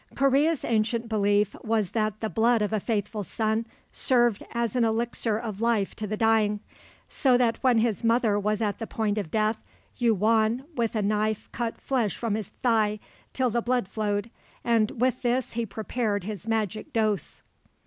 Korea's ancient belief was that the blood of a faithful son served as an elixir of life to the dying, so that when his mother was at the point of death Yu won with a knife cut flesh from his thigh till the blood flowed, and with this he prepared his magic dose.